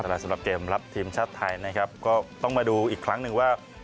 สำหรับเกมรับทีมชาติไทยนะครับก็ต้องมาดูอีกครั้งหนึ่งว่า